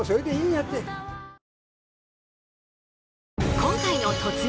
今回の「突撃！